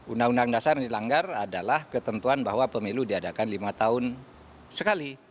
undang undang dasar yang dilanggar adalah ketentuan bahwa pemilu diadakan lima tahun sekali